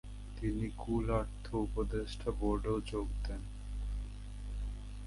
তিনি Cool Earth উপদেষ্টা বোর্ডেও যোগ দেন।